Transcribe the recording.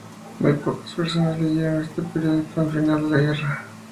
Muy pocas personas leyeron este periódico al final de la guerra.